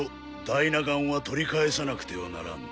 ダイナ岩は取り返さなくてはならん。